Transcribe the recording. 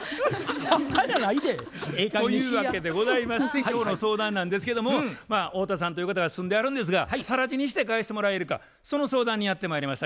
というわけでございまして今日の相談なんですけども太田さんという方が住んではるんですが更地にして返してもらえるかその相談にやってまいりました。